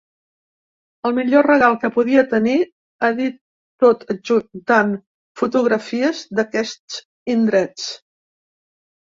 El millor regal que podia tenir, ha dit, tot adjuntant fotografies d’aquests indrets.